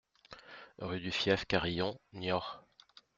Rue du Fief Carillon, Niort